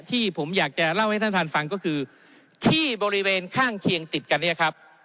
ที่ผมอยากจะเล่าให้ท่านท่านฟังก็คือที่บริเวณข้างเคียงติดกันเนี่ยครับ